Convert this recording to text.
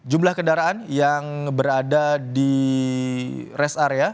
jumlah kendaraan yang berada di rest area